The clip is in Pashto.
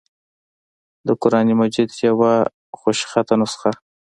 دَقرآن مجيد يوه خوشخطه نسخه